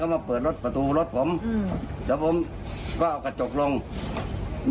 คือเขาพยายามจะไหว้ผู้โดยสารใช่ไหม